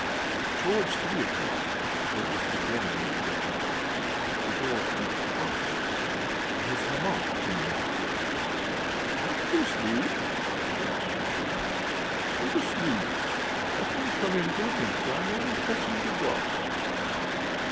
Towards three o'clock, when it was beginning to get light, the door creaked cautiously and his maman came into the room. "Aren't you asleep?" she asked, yawning. "Go to sleep; I have only come in for a minute.... I am only fetching the drops...."